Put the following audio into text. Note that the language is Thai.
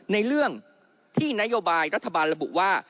ในเรื่องที่นโยบายรัฐบาลระบุว่า